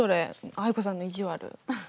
藍子さんの意地悪。